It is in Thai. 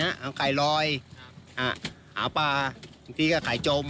แล้วก็มีปลามงค่ะลงข่ายนะได้รอยอ่ะมาพาเพลินกะไก่จม